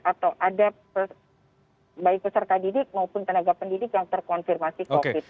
atau ada baik peserta didik maupun tenaga pendidik yang terkonfirmasi covid